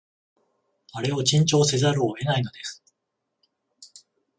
あれを珍重せざるを得ないのです